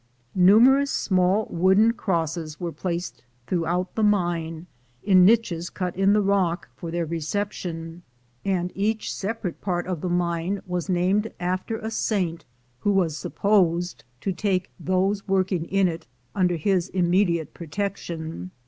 Numerous small wooden crosses were placed through out the mine, in niches cut in the rock for their recep 308 THE GOLD HUNTERS tion, and each separate part of the mine was named after a saint who was supposed to take those working in it under his immediate protection.